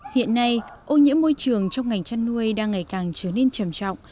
hiện nay ô nhiễm môi trường trong ngành chăn nuôi đang ngày càng trở nên trầm trọng